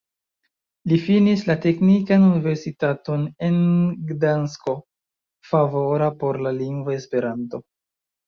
Li finis la Teknikan Universitaton en Gdansko, favora por la lingvo Esperanto.